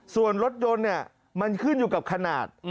ส่วนรถยนต์เนี่ยมันขึ้นอยู่กับขนาด